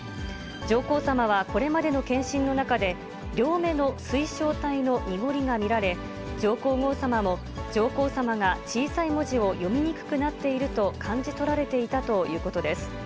上皇さまはこれまでの検診の中で、両目の水晶体の濁りが見られ、上皇后さまも、上皇さまが小さい文字を読みにくくなっていると感じ取られていたということです。